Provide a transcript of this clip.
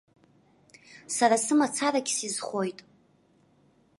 Сара сымацарагь сизхоит!